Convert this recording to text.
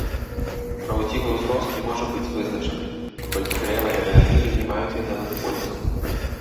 Праўдзівы ўзрост не можа быць вызначаны, паколькі дрэвы гэтага віду не маюць гадавых кольцаў.